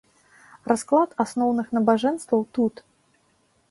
Расклад асноўных набажэнстваў тут.